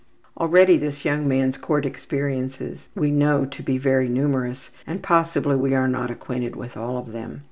Already this young man's court experiences we know to be very numerous and possibly we are not acquainted with all of them.